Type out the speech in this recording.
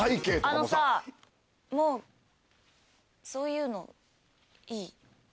あのさもうそういうのいい。